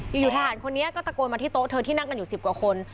อยู่ทหารคนนี้ก็ตะโกนมาที่โต๊ะเธอที่นั่งกันอยู่๑๐กว่าคน